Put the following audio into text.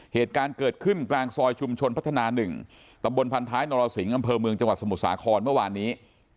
เหตุการณ์เกิดขึ้นกลางซอยชุมชนพัฒนา๑ตำบลพันท้ายนรสิงห์อำเภอเมืองจังหวัดสมุทรสาครเมื่อวานนี้